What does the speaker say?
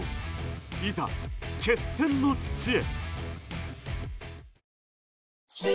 いざ決戦の地へ。